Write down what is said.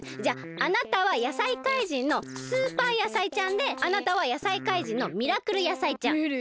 じゃああなたは野菜怪人のスーパー野菜ちゃんであなたは野菜怪人のミラクル野菜ちゃん。